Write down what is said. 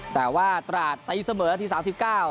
แต่ว่าตราดตีเสมอนาทีสามสิบเก้า